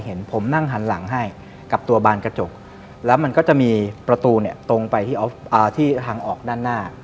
เห็นผมนั่งหันหลังให้กับตัวบานกระจกแล้วมันก็จะมีประตูเนี่ยตรงไปที่ทางออกด้านหน้า